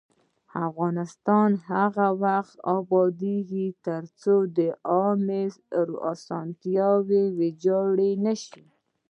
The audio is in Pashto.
افغانستان تر هغو نه ابادیږي، ترڅو عامه اسانتیاوې ویجاړې نشي.